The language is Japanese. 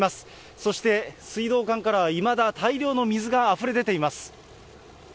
そして、水道管からはいまだ大量の水があふれ出ています。